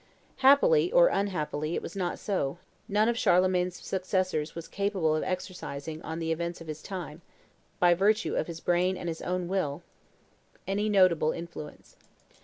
Happily or unhappily, it was not so; none of Charlemagne's successors was capable of exercising on the events of his time, by virtue of his brain and his own will, any notable influence.